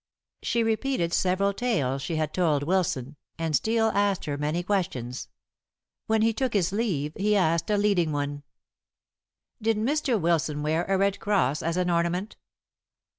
She repeated several tales she had told Wilson, and Steel asked her many questions. When he took his leave he asked a leading one: "Did Mr. Wilson wear a red cross as an ornament?"